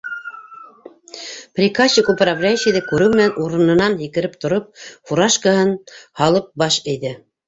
Приказчик управляющийҙы күреү менән урынынан һикереп тороп, фуражкаһын һалып баш эйҙе.